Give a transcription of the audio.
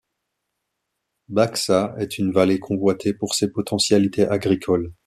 Baksa est une vallée convoitée pour ses potentialités agricoles.